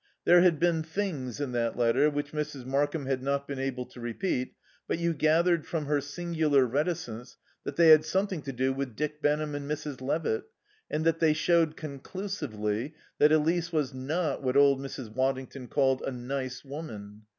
There had been "things" in that letter which Mrs. Markham had not been able to repeat, but you gathered from her singular reticence that they had something to do with Dick Benham and Mrs. Levitt, and that they showed conclusively that Elise was not what old Mrs. Waddington called "a nice woman."